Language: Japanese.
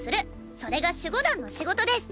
それが守護団の仕事です！